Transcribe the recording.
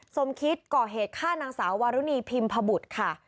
สมคิดก่อเหตุฆ่านางสาววารุณีพิมพบุตรค่ะ